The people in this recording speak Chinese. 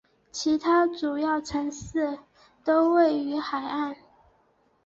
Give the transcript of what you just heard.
其他主要城市都位于海岸。